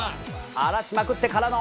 荒らしまくってからの。